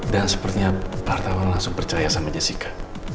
dan sepertinya pak hartawan langsung percaya sama jessica